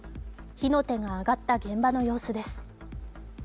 火の手が上がった現場の様子です。